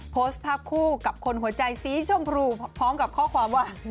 โพสต์ภาพคู่กับคนหัวใจสีชมพูพร้อมกับข้อความว่า